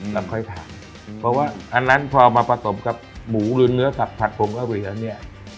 เราค่อยทานเพราะว่าอันนั้นพอเอามาผสมกับหมูหรือเนื้อสับผัดผงกะเหวี่ยแล้วเนี่ย